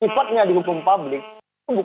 sifatnya dihukum publik itu bukan kaitannya dengan pffp